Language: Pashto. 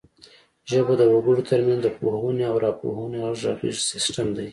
ژبه د وګړو ترمنځ د پوهونې او راپوهونې غږیز سیستم دی